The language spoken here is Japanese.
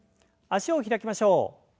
脚を開きましょう。